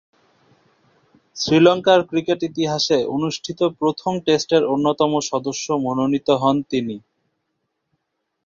শ্রীলঙ্কার ক্রিকেট ইতিহাসে অনুষ্ঠিত প্রথম টেস্টের অন্যতম সদস্য মনোনীত হন তিনি।